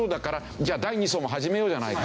じゃあ第２相も始めようじゃないか。